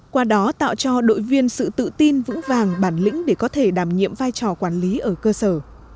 qua đó tạo cho đội viên sự tự tin vững vàng bản lĩnh để có thể đảm nhiệm vai trò quản lý ở cơ sở